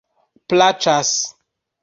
plaĉas